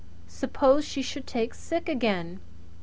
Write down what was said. Suppose she should take sick again!